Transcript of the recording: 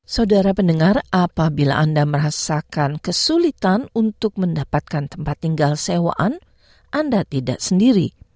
saudara pendengar apabila anda merasakan kesulitan untuk mendapatkan tempat tinggal sewaan anda tidak sendiri